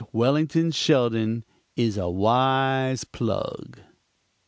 Wellington Sheldon is a wise plug."